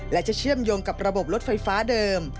และจะเชื่อมโยงกับระบบรถไฟฟ้าเดิม